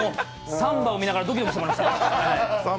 サンバを見ながら、ドキドキしてました。